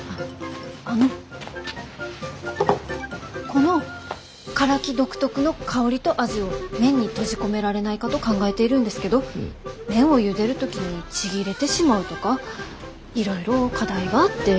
このカラキ独特の香りと味を麺に閉じ込められないかと考えているんですけど麺をゆでる時にちぎれてしまうとかいろいろ課題があって。